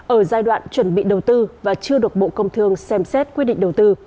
ở giai đoạn chuẩn bị đầu tư và chưa được bộ công thương xem xét quy định đầu tư